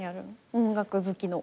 音楽好きの。